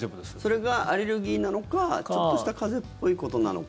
それがアレルギーなのかちょっとした風邪っぽいことなのか。